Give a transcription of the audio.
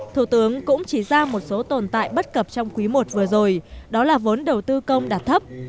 thủ tướng cũng chỉ ra một số tồn tại bất cập trong quý i vừa rồi đó là vốn đầu tư công đạt thấp